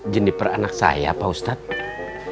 jenniper anak saya pak ustadz